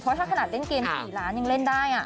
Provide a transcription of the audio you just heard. เพราะถ้าขนาดเล่นเกม๔ล้านยังเล่นได้